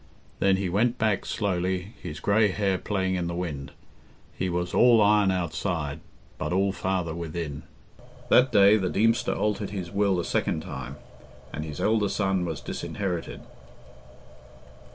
Then he went back slowly, his grey hair playing in the wind. He was all iron outside, but all father within. That day the Deemster altered his will a second time, and his elder son was disinherited.